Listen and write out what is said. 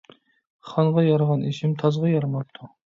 خانغا يارىغان ئېشىم تازغا يارىماپتۇ.